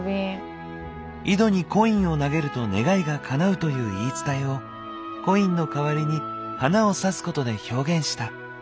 井戸にコインを投げると願いがかなうという言い伝えをコインの代わりに花を挿すことで表現した。